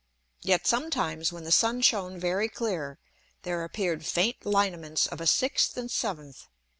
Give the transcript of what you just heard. Yet sometimes, when the Sun shone very clear, there appear'd faint Lineaments of a sixth and seventh.